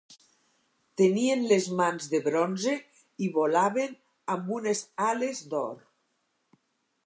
Tenien les mans de bronze i volaven amb unes ales d'or.